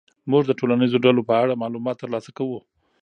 موږ د ټولنیزو ډلو په اړه معلومات ترلاسه کوو.